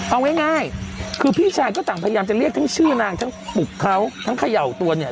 เอาง่ายคือพี่ชายก็ต่างพยายามจะเรียกทั้งชื่อนางทั้งปลุกเขาทั้งเขย่าตัวเนี่ย